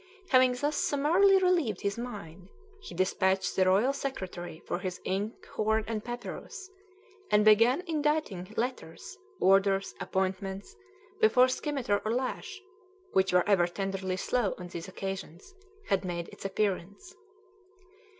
Having thus summarily relieved his mind, he despatched the royal secretary for his ink horn and papyrus, and began inditing letters, orders, appointments, before scymitar or lash (which were ever tenderly slow on these occasions) had made its appearance.